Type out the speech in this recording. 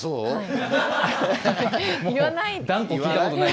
言わない。